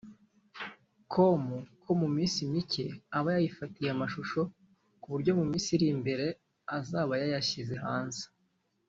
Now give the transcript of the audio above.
com ko mu minsi mike aba yayifatiye amashusho ku buryo mu minsi iri imbere azaba yayashyize hanze